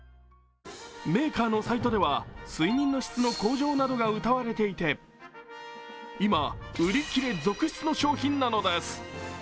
メーカーのサイトでは、睡眠の質の向上などがうたわれていて、今、売り切れ続出の商品なのです。